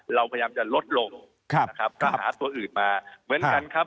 เราพยายามจะลดลงนะครับก็หาตัวอื่นมาเหมือนกันครับ